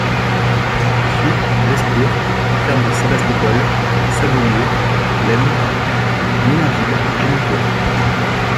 Suippes...Blescourt...Ferme de Sébastopol...Samogneux...Lemmes...Moulainville...Génicourt.